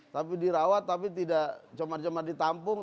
tapi dirawat tapi tidak cuman cuman ditampung